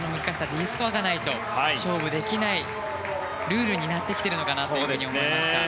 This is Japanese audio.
Ｄスコアがないと勝負できないルールになってきているのかなと思いました。